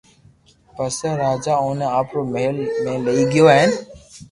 پسو راجا اوني آپرو مھل ۾ لئي گيو ھين